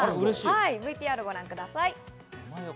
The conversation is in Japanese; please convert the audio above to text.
ＶＴＲをご覧ください。